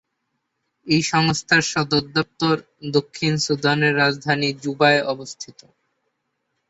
এই সংস্থার সদর দপ্তর দক্ষিণ সুদানের রাজধানী জুবায় অবস্থিত।